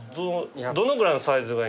どのぐらいのサイズがいい？